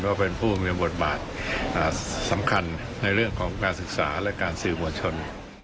ก็เป็นผู้มีบทบาทสำคัญในเรื่องของการศึกษาและการสื่อมวลชน